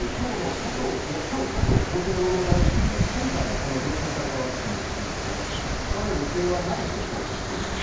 今日、加藤厚生労働大臣も今回の了承されたワクチンについて出荷の予定はないと承知している。